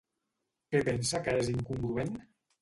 Què pensa que és incongruent?